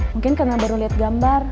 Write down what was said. mungkin karena baru lihat gambar